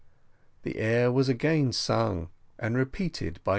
The air was again sung, and repeated by.